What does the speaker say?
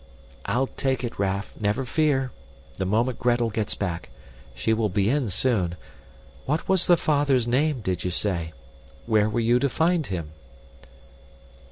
"I'll take it, Raff, never fear the moment Gretel gets back. She will be in soon. What was the father's name, did you say? Where were you to find him?"